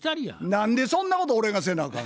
何でそんなこと俺がせなあかん。